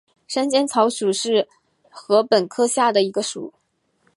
山涧草属是禾本科下的一个属。